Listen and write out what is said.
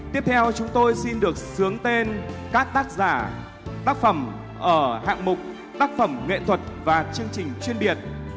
tiếp theo chúng tôi xin được xướng tên các tác giả tác phẩm ở hạng mục tác phẩm nghệ thuật và chương trình chuyên biệt